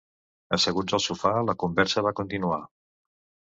Asseguts al sofà, la conversa va continuar.